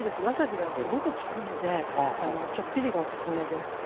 わさびはすごく利くのでちょっぴりがおすすめです。